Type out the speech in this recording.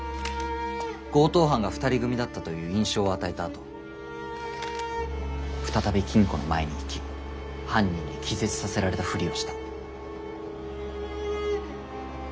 強盗犯が２人組だったという印象を与えたあと再び金庫の前に行き犯人に気絶させられたフリをした。